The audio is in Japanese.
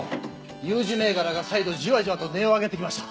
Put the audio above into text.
有事銘柄が再度じわじわと値を上げてきました！